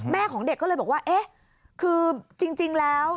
ของเด็กก็เลยบอกว่าเอ๊ะคือจริงแล้ว